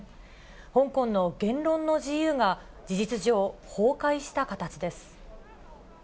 香港の言論の自由が事実上崩壊した形です。